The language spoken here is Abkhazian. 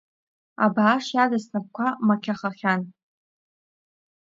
Абааш иадыз снапқәа мақьахахьан.